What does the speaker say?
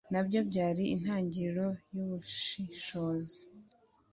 na byo byari intangiriro y’ubushishozi;